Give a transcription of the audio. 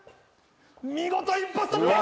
見事一発突破！